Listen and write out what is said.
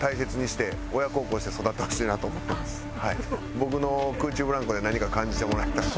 僕の空中ブランコで何か感じてもらえたらなと。